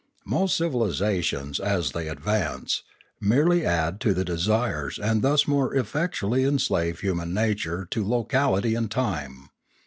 Most civilisations, as they advance, merely add to the desires and thus more effectually enslave human nature to locality and time.